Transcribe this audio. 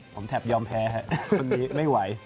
ผมแทบยอมแพ้ไม่ไหว